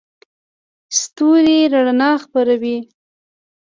ستوري رڼا خپروي.